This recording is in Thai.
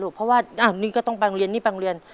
เพราะว่านี่ก็ต้องไปโรงเรียนนี่บางเรียน